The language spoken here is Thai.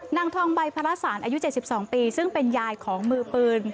นางทองใบพระราชสารอายุ๗๒ปีซึ่งเป็นยายของมือปืน